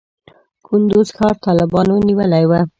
کندز ښار طالبانو نیولی و.